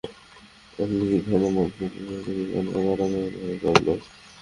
আপনি কি ধরনের মানুষ জানেন তুমি জানো তারা কেমন ভয়ংকর লোক।